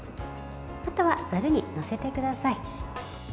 あとは、ざるに載せてください。